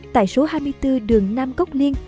tại số hai mươi bốn đường nam cốc liên